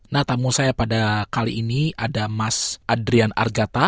nah tamu saya pada kali ini ada mas adrian argata